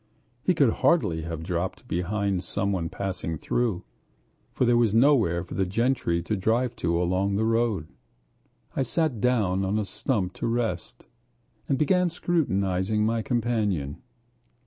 He could hardly have dropped behind someone passing through, for there was nowhere for the gentry to drive to along that road. I sat down on a stump to rest, and began scrutinizing my companion.